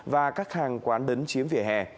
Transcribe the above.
và các hàng quán đấn chiếm vỉa hè